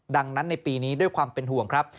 ดังนั้นในปีนี้ด้วยความเป็นห่วงครับ